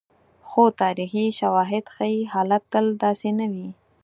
خو تاریخي شواهد ښيي، حالت تل داسې نه وي.